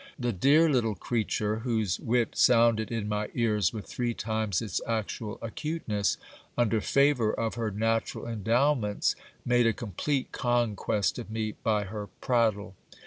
The dear little creature, whose wit sounded in my ears with three times its actual acuteness, under favour of her natural endowments, made a complete conquest of me by her prattle.